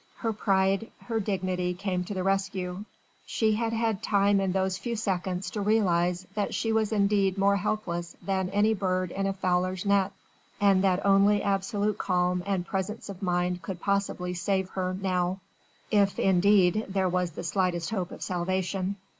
Her pride, her dignity came to the rescue. She had had time in those few seconds to realise that she was indeed more helpless than any bird in a fowler's net, and that only absolute calm and presence of mind could possibly save her now. If indeed there was the slightest hope of salvation.